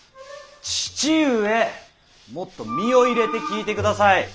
父上もっと身を入れて聞いてください。